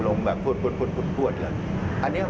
แบบพวดเลย